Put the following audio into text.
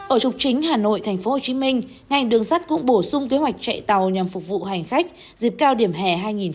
ở trục chính hà nội tp hcm ngành đường sắt cũng bổ sung kế hoạch chạy tàu nhằm phục vụ hành khách dịp cao điểm hè hai nghìn hai mươi bốn